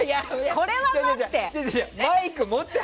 これは待って。